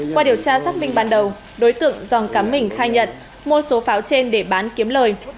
qua điều tra xác minh ban đầu đối tượng dòng cắm mình khai nhận mua số pháo trên để bán kiếm lời